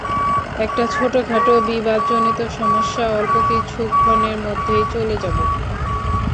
একটা ছোট-খাটো বিবাদজনিত সমস্যা, অল্প কিছুক্ষণের মধ্যেই চলে যাব।